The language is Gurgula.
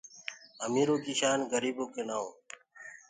اميرو ڪي شان گريبو ڪي نآئو